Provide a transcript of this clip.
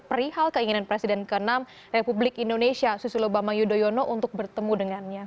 perihal keinginan presiden ke enam republik indonesia susilo bambang yudhoyono untuk bertemu dengannya